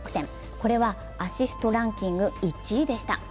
これはアシストランキング１位でした。